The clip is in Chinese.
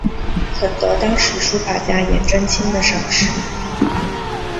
很得当时书法家颜真卿的赏识。